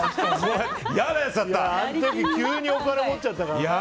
急にお金持っちゃったからね。